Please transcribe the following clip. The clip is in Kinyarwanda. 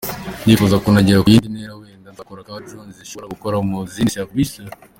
Ndifuza kuzagera ku yindi ntera wenda nkakora nka ‘drones’ zishobora gukora mu zindi serivisi.